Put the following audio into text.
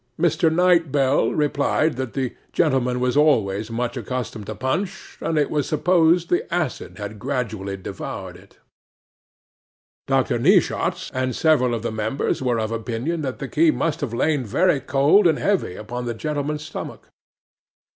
Mr. Knight Bell replied that the gentleman was always much accustomed to punch, and it was supposed the acid had gradually devoured it. 'DR. NEESHAWTS and several of the members were of opinion that the key must have lain very cold and heavy upon the gentleman's stomach.